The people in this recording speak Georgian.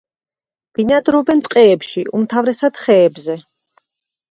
ბინადრობენ ტყეებში, უმთავრესად ხეებზე.